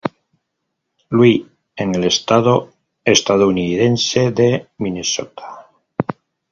Louis en el estado estadounidense de Minnesota.